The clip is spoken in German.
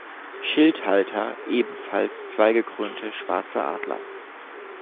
Schildhalter ebenfalls zwei gekrönte schwarze Adler.